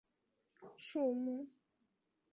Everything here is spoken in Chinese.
市树是一个城市的代表树木。